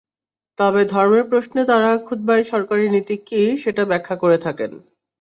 তবে ধর্মের প্রশ্নে তাঁরা খুতবায় সরকারি নীতি কী, সেটা ব্যাখ্যা করে থাকেন।